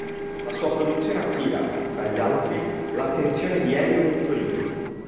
La sua produzione attira, fra gli altri, l'attenzione di Elio Vittorini.